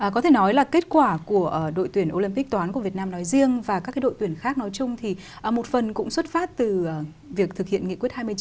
có thể nói là kết quả của đội tuyển olympic toán của việt nam nói riêng và các đội tuyển khác nói chung thì một phần cũng xuất phát từ việc thực hiện nghị quyết hai mươi chín